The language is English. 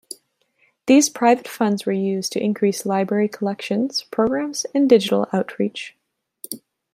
These private funds were used to increase Library collections, programs, and digital outreach.